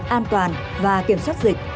an toàn và kiểm soát dịch